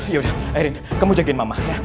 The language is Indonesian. ya udah erin kamu jagain mama ya